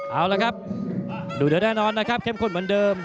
เอาละครับดูเดี๋ยวแน่นอนนะครับเข้มข้นเหมือนเดิม